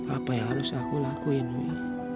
apa yang harus aku lakuin wi